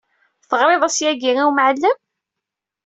Teɣriḍ-as yagi i wemɛellem?